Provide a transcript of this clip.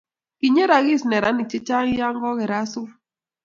kinyerakis neranik che chang' ya ko kerat sukul